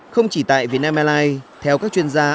không chỉ tại việt nam airlines theo các chuyên gia